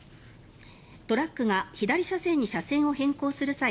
トラックが左車線に車線を変更する際